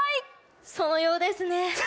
そのようですね。